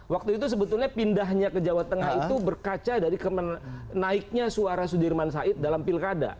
waktu itu sebetulnya pindahnya ke jawa tengah itu berkaca dari naiknya suara sudirman said dalam pilkada